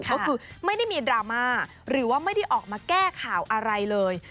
ก็คือไม่ได้มีดราม่าหรือว่าไม่ได้ออกมาแก้ข่าวอะไรเลย